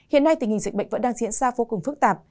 hiện nay tình hình dịch bệnh vẫn đang diễn ra vô cùng phức tạp